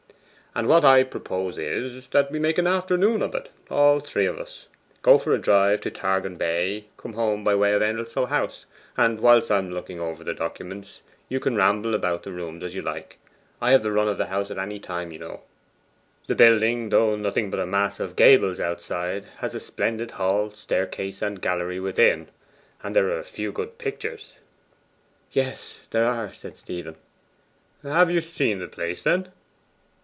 And what I propose is, that we make an afternoon of it all three of us. Go for a drive to Targan Bay, come home by way of Endelstow House; and whilst I am looking over the documents you can ramble about the rooms where you like. I have the run of the house at any time, you know. The building, though nothing but a mass of gables outside, has a splendid hall, staircase, and gallery within; and there are a few good pictures.' 'Yes, there are,' said Stephen. 'Have you seen the place, then?